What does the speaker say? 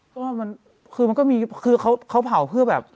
ก็คือมันก็มีคือเขาเผาเพื่อแบบ